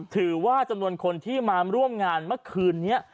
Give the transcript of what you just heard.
ถือว่าจำนวนคนที่มาร่วมงานเมื่อคืนนี้